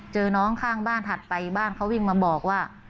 เจอน้องข้างบ้านถัดไปบ้านเขาวิ่งมาบอกว่า